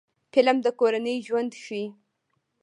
فلم د کورنۍ ژوند ښيي